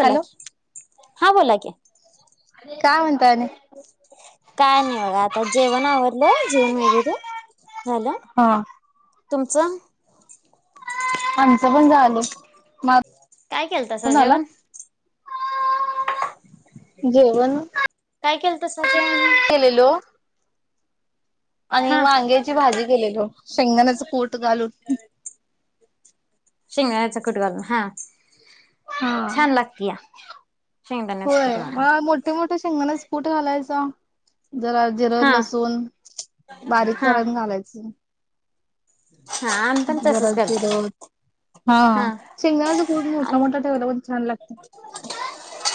Hello हां बोला कि. काय म्हणताय आणि. काय नाही बघा आता जेवण आवरलंय जेवण वगैरे. झालं हा तुमचं? आमचं पण झालं. माझं काय केलतासा झालं जेवण? जेवण काय केलं तसं जेवण केलेलो. आणि हा वांग्याची भाजी केलेलो शेंगण्याच कुट घालून. शेंगदाण्याचा कूट घालून हा. छान लागतीया. होय मग मोठे मोठे शेंगदाण्याचे कूट घालायचं. जरा जिरं हा लसूण बारीक हा करून घालायचं. हा आम्ही पण जरा तसच जिरं करतो हा शेंगदाण्याचा कूट आणि मोठा मोठा ठेवला पण छान लाग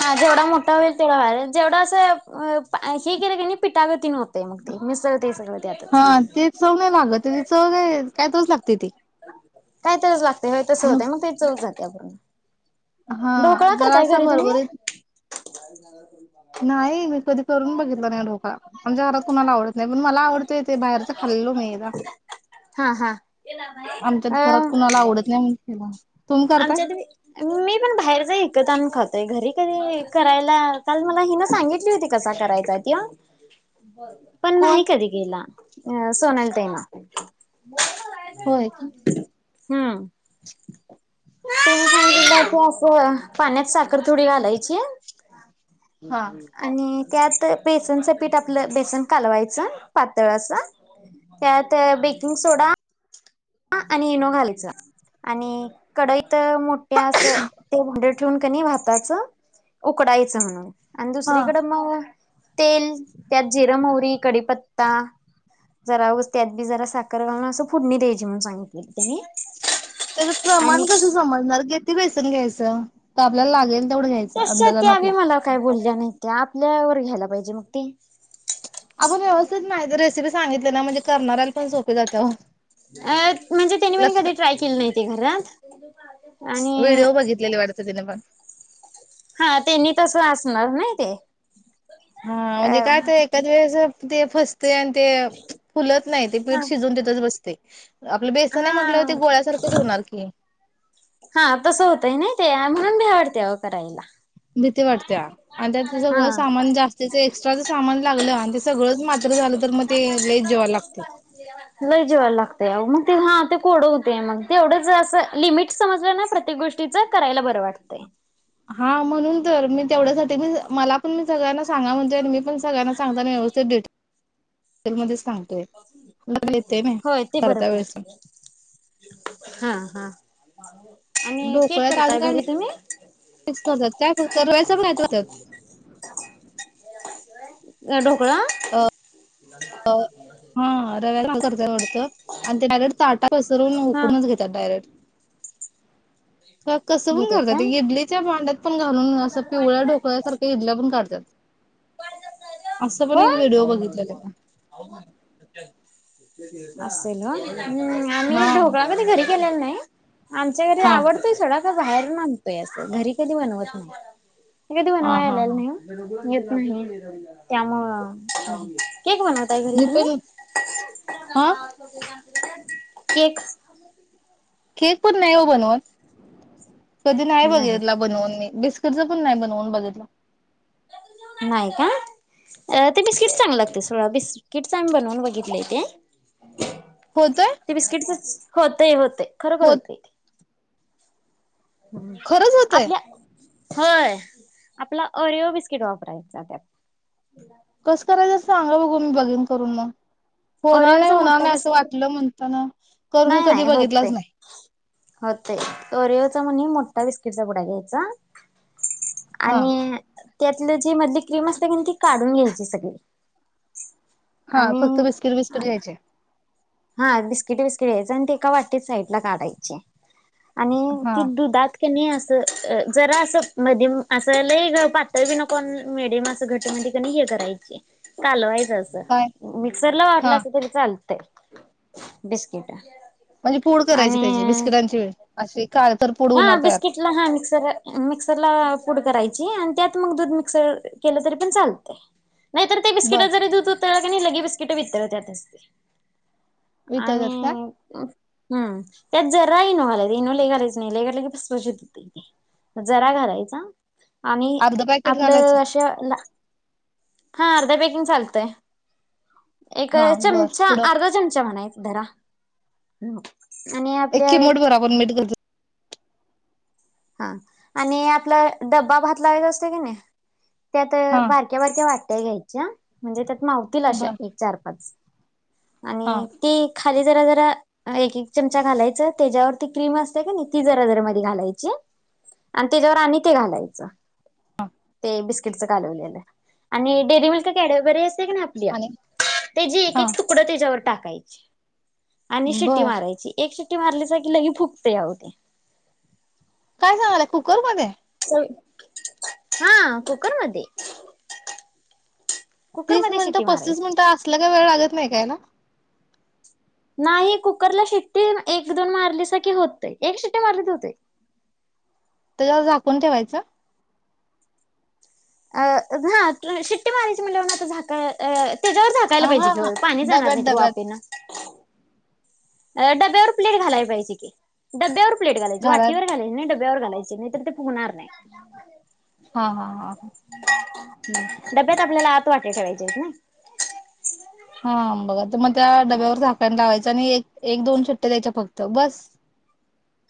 हा जेवढा मोठा होईल तेवढर जेवढं असं हे केलं पिटागतीन होतंय मग ते मिसळते सगळं. हा त्यातच ते चव नाही लागत नाही त्याची चव काय तर च लागते ती. काय तरच लागते होय तसं होतय नुस मग ते चव जाते पुर्ण. हा ढोकळा जरा करताय असा घरी तुम्ही? भरभरीत नाही मी कधी करून बघितला नाही ढोकळा आमच्या घरात कोुणाला आवडत नाही पण मला आवडतय तेे बाहेरच खा ल्लो मैदा हा हा अ घरात कुणाला आवडत नाही म्हणून केला तुम्ही करताय आमच्यात मी पण बाहेरच विकत आणून खातोय घरी कधी करायला काल मला हि न सांगितली होती कसा करायचा त्यो. पण कोण नाही कधी गेला अ सोनली ताईनं. होय क. हम्म. त्यानी सांगितलं की असं पाण्यात साखर थोडी घालायची. हा. आणि त्यात बेसनचं पीठ आपलं बेसन कालवायचं पातळ असं. त्यात बेकिंग सोडा हा आणि इनो घालायच आणि कडाईत तर मोठ्या अस ते भांड ठेऊन कणी भाताच उकडायचं म्हणून हा दुसरीकड मग तेल त्यात जिरं-मोहरी कडीपत्ता जरा उस त्यात बी जरा साखर घालून असं फुडणी द्यायची म्हणून सांगितली त्यांनी. त्याच आणि प्रमाण कस समजणार किती बेसन घ्यायचं त आपल्याला लागेल तेवढं घ्यायचं तस अंदाजान त्या बी आपल्या मला काय बोलल्या नाही त्या आपल्यावर घ्यायला पाहिजे मग ते. आग व्यवस्थित नाय ती रेसिपी सांगितली ना म्हणजे करणाऱ्याला पण सोपी जाते ओ अ म्हणजे त्यांनी पन लक्ष कधी ट्राय केली नाहीती घरात. आणि व्हिडिओ बघितलेले वाटतं तिन पण. हा त्यांनी तस असणार नाही ते. हा अ म्हणजे काय त एकाच वेळेस ते फस ते आन ते फुलत नाय ते हा पीठ शिजून तिथच बसतय. आपलं बेसन हाय हा म्हटल्यावरती गोळ्यासारखंच होणार की. हा तसं होतय नाही ते म्हणून भ्या वाटतय व करायला. भीती वाटत्या आणि त्या हा हेसगळं सामान जास्तीच एक्स्ट्राच सामान लागलं आणि ते सगळंच मात्र झाल तर मग ते लयच जीवाला लागतय. लई जीवाला लागतय आप ते हा ते कोडं होतय मग ते एवढंच असं लिमिट समजलं ना प्रत्येक गोष्टीच करायला बरं वाटतं हा म्हणून तर मी तेवढ्यासाठी मी मला पण मी सगळ्यांना सांगा म्हणते मी पण सगळ्यांना सांगताना व्यवस्थित डिट तर म होय ते बर करता वेळेस पडत हा हा आणि केक ढोकळ्यात अजून करताय काय घरी तुम्ही काय दरवेळेस [unintelligible] अ ढोकळा ह [inaudible] हा रव्याला करतय वटत आन ते डायरेक्ट ताटात पसरून हा उकडूनच घेतात डायरेक्ट का कसं पण घेतात करता काय येत इडलीच्या भांड्यात पण घालून असं पिवळ्या ढोकळ्यासारख्या इडल्या पण काढतात असं पण एक होय व्हिडिओ बघितलेला मी असेल हा आमी हा ढोकळाकधी घरी केलेल नाई आमच्या घरी हा आवडतय सोडा बाहेरून आणतोया अस घरी कधी बनवत नाही कधी हा बनवाया हा आलेला हा नाही [unintelligible] त्यामुळं केक बनवताय घरी मी तुम्ही पण हा केक केक पण नाही ओ बनवत कधी नाही बघितला बनवून मी बिस्किटच पण नाई बनवून बघितलं नाही का ते बिस्किट चांगल लागतय सोडा बिस्किट चा आमी बनवून बघितलंय ते होतय ते बिस्किटचच होतय होतय खरोखर होत होतय हम्म खरंच होतय आपल्या होय आपला ओरिओ बिस्किट वापरायचा त्यात कसं करायचं सांगा बघू मी बघीन करून मग होणार नाही ओरिओचा होणार मोठा नाही असं बिस्किट वाटलं म्हणता ना करून नाही कधी नाही होतय. बघितलंच नाही होतय ओरियोचा म्हणे मोठा बिस्किटचा पुुडा घ्यायचा हा आणि त्यातलं जी मधली क्रीम असते का नाई ती काढून घ्यायची सगळी हा आणि फक्त बिस्किट बिस्किट घ्यायचे हा बिस्किट बिस्किट घ्यायचे आणि ते एका वाटीत साईड ला काढायचे आणि हा ती दुधात नाही अस जरा असं मध्यम असं लय ग पातळ बी नको अन मडियम असं घट म्ह हे करायची चालवाय काय मिक्सरला हा वाटलास तरी चालतय बिस्किटा म्हणजे पूड करायची त्याची बिस्किटांची व्हय अशी. काळतर पूड हा होणार तयार बिस्किट ला हा मिक्सर मिक्सरला पुड करायचं. जी हाणत्यात मग दूध मिक्स केलं तरी पण चालतंय नाहीतर त्या बर बिस्किटात दूध लगे बिस्किट वितळत्यात च की वितळतात आणि काय हम् त्याच जरा राहिनवालानलेखालाय. क कसित हो जरा घालायचा [unintelligible] आणि अर्ध पॅकेट आपलं घालायचं अशा हा अर्ध्या बेकिंग चालतय. एक हा बर चमचा पुढं अर्धा चमचा म्हणायच धरा. आणि एक आपल्या चिमूटभर आपण मीट कर. हा आणि आपला डब्बा भात लावायचा असते का नाही. त्यात हा बारक्या बारक्या वाट्या घ्यायच्या म्हणजे त्यात मावतील अशा बर एक चार पाच. हा आणि ती खाली जरा जरा एक एक चमचा घालायच त्याच्यावरती क्रीम असते का नाही ती जरा जरा मध घालायची. आणि त्याच्यावर आणि ते घालायचं हा ते बी काव आणि डेरी मिल्क कॅडबरी आपल्या आणि त्या जे एक हा एक तुकड त्याच्यावर टाकायचे. आणि शिट्टी बर मारायची एक शिट्टी मारल्याचा क लगे फुगतय या अओ ते. काय सांगलाय कुकर मध्ये. हा कुकर मधी. तीस मिनिटं पस्तीस त्याची मिनिटं असल्या काही वेळ लागत नाही ना नाही कुकरला शिट्टी एक दोन मारली स की होत एक शिट्टी मारली होते. तरला झाकून ठेवायचं. अ हा शिट्टी मारायची म्ह लवना आता झाका [unintelligible] त्याच्यावर झाकायला हा पाहिजे हा घेव पाणी जाणार डब्यात नाही त र डब्यात वापेन. डब्यावर प्लेट घालाया पाहिजे की डब्यावर प्लेट घायची घालाय वाटीवर घालायची नाही डब घालायचे नाही तर ते पुहणार नाही. हा हा हा ह. डब्यात आपल्याला आत वाटे करायचेत ना. हा बघा तर मग त्या डब्यावर झाकण लावायचं एक एक दोन सुट्ट्या द्यायच्या फक्त बस.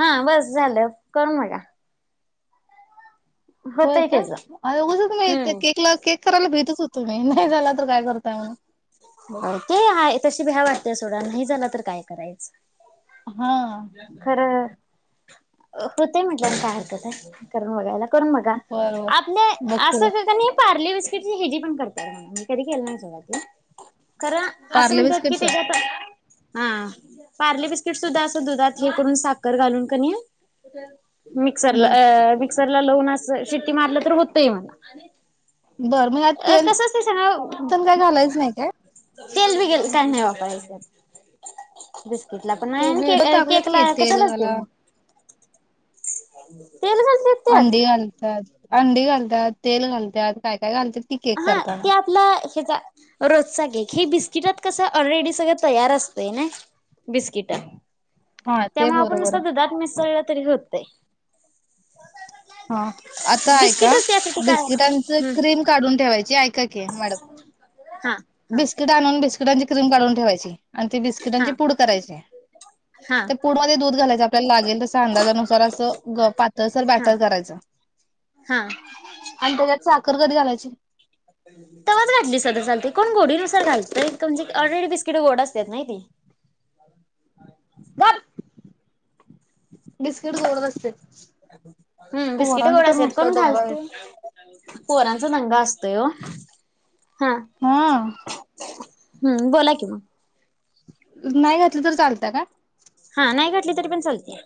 हा बस झालं करून बघा होय होतय का त्याच अघसम हम्म. केकला केक करायला भीतच होतो मी नाही झाला तर काय करताय म्हणून. बस ते हाय तशी भी ह्या वाटतेय सोडाया नाही झाला तर काय करायचं हा खरं. होतय म्हटल्यान काय हरकत आहे करून बघायला. करून बघा बरोबर आपल्या अस बघते बघ पारले वि िची ह हेजी पण करत म्ह मी कधी केलं ना सोळतला [inaudible] खर पार्ले असं बिस्किटचा [inaudible] हा पार्ले बिस्किट सुद्धा असं दुधात हे करून साखर घालून का नाही. मिक्सरला बर मिक्सरला लहून अस शेट्टी मारलं तर होतय मला. बर मग यात अ तेल कस असते स ना पण काय [unintelligible] घालायच नाही काय? तेल ब गेल का नाही बापा दिस [unintelligible] केकला ते पण के व्हिडिओ टाकतात केक ला की तेल घाला कशालाचतील [unintelligible] ह [unintelligible] अंडी घालतात अंडी घालतात तेल घालतात काय काय घालत. हा ते आपल् रोजचा केक हे बिस्किटात कस ऑलरेडी सगळ तयार असतय ना. बिस्किटा. हा ते त्यामुळे आपण बरोबर आहे. सध दुधात मिसळला तरी होतय. ह आता ऐका त्यासाठी काय बिस्किट हम्म क्रीम काढून ठेवायची ऐका मॅडम हा [inaudible] हा बिस्किट आणून बिस्किटांची क्रीम काढून ठेवायची आणि ते बिस्किटांची हा पूड करायची हा [inaudible] तर पुडमध्ये दूध घालायच आपल्याला लागेल तस अंदाजानुसार असं पातळर हा तर करायच हा [inaudible] आणि त्याच्यात साखर कधी घालायची तवच घातली स चालते कोण गोडी नुसार घालतय म्हणजे ऑलरेडी बिस्किट गोड असतात ना ते गप बिस्किट गोड असत हम्म बिस्किट गड असेत करून आहे घालते [inaudible] पोरां दंगा असते ओ हा हम्म बोला कि मग [inaudible] नाही घातलं तर चालत का हा नाही घटली तरी पण चालते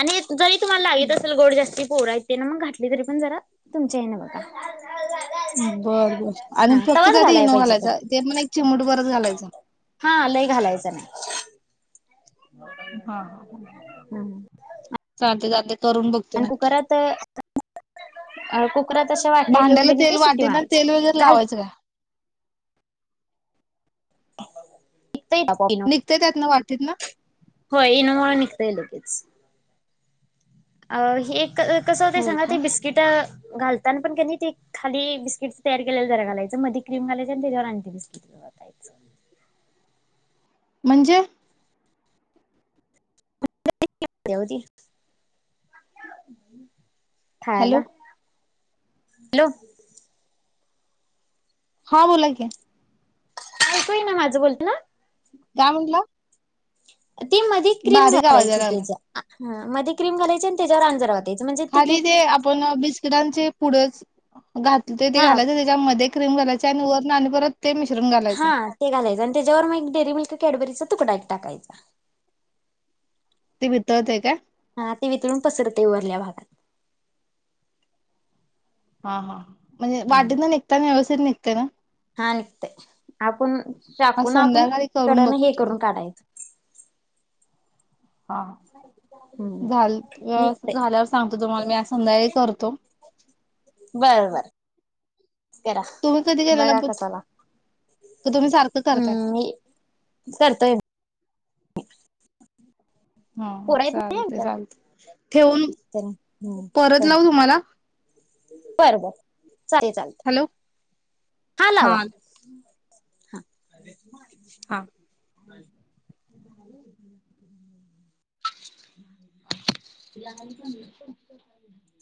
आणि जरी तुम्हाला लागत असेल गोड जास्तीत बोरा येते ना मग घातली तरी पण जरा तुमच्या आहे ना बघ बर बर आणि फक्त तवाच त्यात घालाय इनो पाहिजे घालायच खर ते पण एक चिमट बरच घालायच हा लय घालायचं नाही हा ह ह सा चालतो चालती करून बघते आणि नक्की कुकरात कुकरात अशा [inaudible] [inaudible] वाटी ठेवून भांड्याला कणी तेल ते शिट्टी वाटेल ना तेल मारायची वगैरे घाल लावायचं काय [unintelligible] निघते त्यात ना वाटीत ना हो इ नम लगेच [inaudible] अ एक कसं होत होय सांगा का ते बिस्किट घालताना पण त्यांनी ते खाली बिस्किटच तयार केलेलं जरा घालायं मध्येी क्रीम घालाय त्याच्यावर आणते बिस्किट ओतायचं. [inaudible] म्हणजे [unintelligible] काायला हॅलो [inaudible] हॅलो हा बोला क ऐकोय ना माझं बोलतो ना गवनला ती मध क्रीम घालायची यायला लागला त्याच्या मध क्रीम घालायची आणि त्याच्यावर अंजार वा खाली ते आपण बिस्किटांचे पुढच घात ते हा घालायच त्याच्यामध्ये क्रीम कायची आणि वर ना आणि परत ते मिश्रण हा घालायचं. ते घालायचं आणि त्याच्यावर मग एक डेअरी मिल्क कॅडबरीच तुकडाईट टाकायचा ते भितरते का हा ते वितळून पसरते उरल्या भागात हा हा म्हणजे वाटत ना निघता ना व्यवस्थित निघतय ना हा निघतय आपण आज शाकून आपण संध्याकाळी करून कडन हे बघतो मी. करून काढायचं हा हम्म. झाल निघतय झाल्यावर सांगतो तुम्हाला मी संध्या करतो बर बर तेरा बघा कसला तर तुम्ही सारखं करताय [inaudible] करतोय [inaudible] हा पोर आहेत चालते चालत ठेवून ह परत कर लावू तुम्हाला बर बर चाले चालत हॅलो हा लावा [inaudible] हा [inaudible] [inaudible]